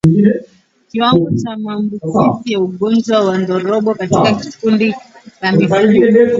Kiwango cha maambukizi ya ugonjwa wa ndorobo katika kundi la mifugo